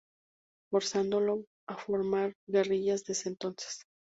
Forzándolo a formar guerrillas desde entonces.